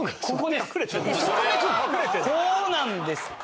ここです。